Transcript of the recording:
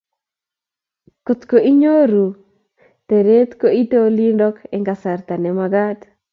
kotko inyoru trnit ko iite olindok eng kasarta ne magat